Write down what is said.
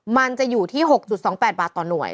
มันจะอยู่ที่๖๒๘บาทต่อหน่วย